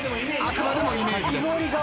あくまでもイメージです。